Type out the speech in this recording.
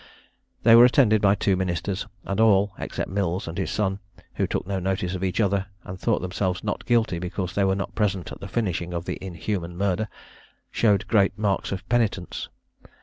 They were attended by two ministers; and all, except Mills and his son (who took no notice of each other, and thought themselves not guilty because they were not present at the finishing of the inhuman murder), showed great marks of penitence.